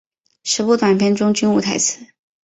十部短片中均无台词。